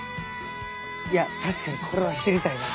いや確かにこれは知りたいな。